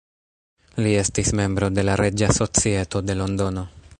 Li estis membro de la Reĝa Societo de Londono.